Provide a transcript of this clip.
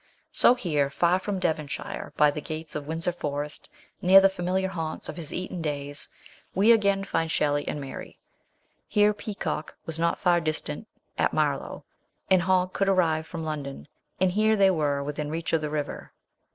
So here, far from Devonshire, by the gates of Windsor Forest, near the familiar haunts of his Eton days, we again find Shelley and Mary. Here Peacock was not far distant at Marlow, and Hogg could arrive from London, and here they were within reach of the river.